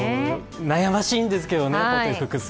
悩ましいんですけどね、服装。